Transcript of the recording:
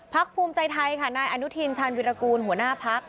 ภูมิใจไทยค่ะนายอนุทินชาญวิรากูลหัวหน้าพัก